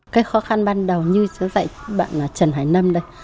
cái khó khăn ban đầu như cháu dạy bạn là trần hải năm đây